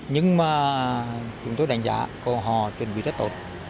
nhưng mà chúng tôi đảm giá là họ chuẩn bị rất tốt